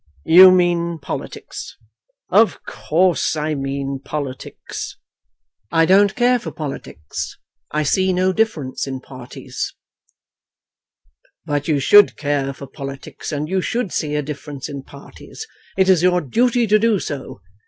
"You mean politics?" "Of course I mean politics." "I don't care for politics. I see no difference in parties." "But you should care for politics, and you should see a difference in parties. It is your duty to do so.